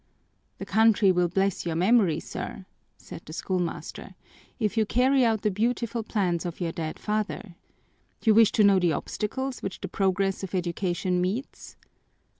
"The country will bless your memory, sir," said the schoolmaster, "if you carry out the beautiful plans of your dead father! You wish to know the obstacles which the progress of education meets?